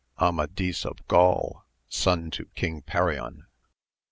— ^Amadis of Gaul son to King Perion.